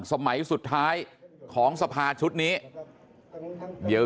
สมัยสุดท้ายของศรภาชุดนี้